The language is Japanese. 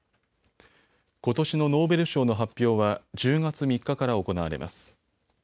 ことしのノーベル賞の発表は１０月３日から行われます。